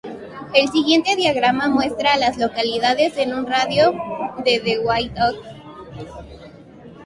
El siguiente diagrama muestra a las localidades en un radio de de White Oak.